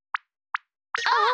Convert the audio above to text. あっ！